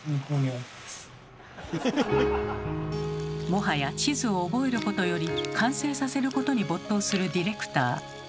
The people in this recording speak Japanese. もはや地図を覚えることより完成させることに没頭するディレクター。